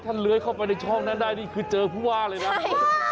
เลื้อยเข้าไปในช่องนั้นได้นี่คือเจอผู้ว่าเลยนะ